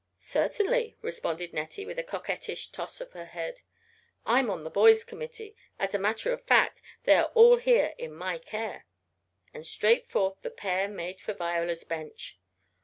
"Certainly," responded Nettie, with a coquettish toss of her head. "I'm on the boys committee as a matter of fact they are all here in my care," and straightforth the pair made for Viola's bench.